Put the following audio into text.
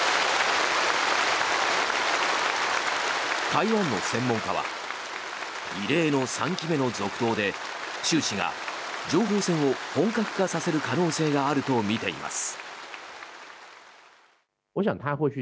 台湾の専門家は異例の３期目の続投で習氏が情報戦を本格化させる可能性があるとみています。